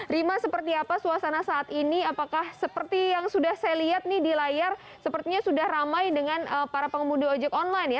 rima seperti apa suasana saat ini apakah seperti yang sudah saya lihat nih di layar sepertinya sudah ramai dengan para pengemudi ojek online ya